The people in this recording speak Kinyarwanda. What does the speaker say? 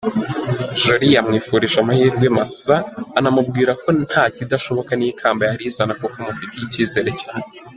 Jolly yamwifurije amahirwe amasa anamubwira ko ntakidashoboka n’ikamba yarizana kuko amufitiye ikizere cyane.